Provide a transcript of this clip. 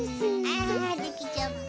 ああできちゃった。